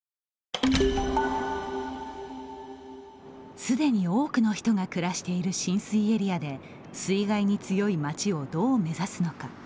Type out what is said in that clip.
すでに多くの人が暮らしている浸水エリアで水害に強い町をどう目指すのか。